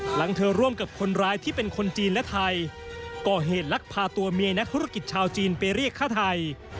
หลังเธอร่วมกับคนร้ายที่เป็นคนจีนและไทยก่อเหตุลักพาตัวเมียนักธุรกิจชาวจีนไปเรียกฆ่าไทย